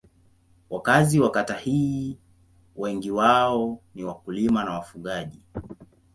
Wakazi wa kata hii wengi wao ni wakulima na wafugaji.